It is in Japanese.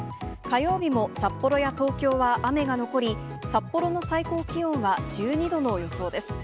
火曜日も札幌や東京は雨が残り、札幌の最高気温は１２度の予想です。